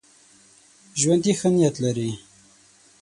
ژوندي ښه نیت لري